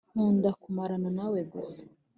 nkunda kumarana nawe gusa